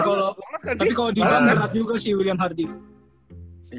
tapi kalo dibang berat juga sih william hardy